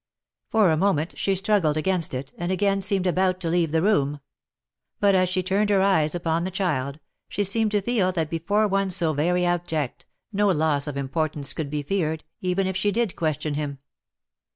For a moment she struggled against it, and again seemed about to leave the room ; but as she turned her eyes upon the child, she seemed to feel that before one so very abject, no loss of importance could be feared, even if she did question him.